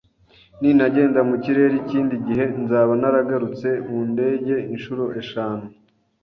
Ninagenda mu kirere ikindi gihe, nzaba naragurutse mu ndege inshuro eshanu.